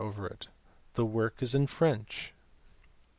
The work is in French.